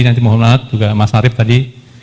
nanti mohon maaf juga mas arief tadi